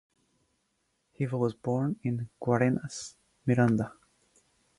He was born in Guarenas, Miranda.